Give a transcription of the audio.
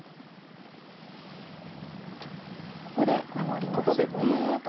ここで守りました。